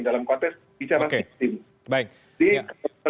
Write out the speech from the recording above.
dalam konteks bicaran sistem